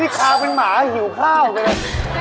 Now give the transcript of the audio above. นี่คาวเป็นหมาหิวข้าวเลย